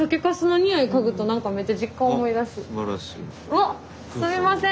わっすみません！